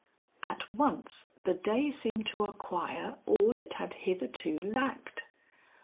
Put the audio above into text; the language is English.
At once the day seemed to acquire all it had hitherto lacked.